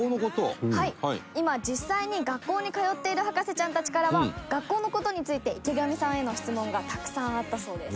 今実際に学校に通っている博士ちゃんたちからは学校の事について池上さんへの質問がたくさんあったそうです。